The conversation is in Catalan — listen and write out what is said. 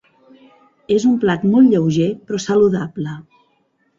És un plat molt lleuger però saludable.